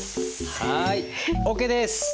はいオッケーです！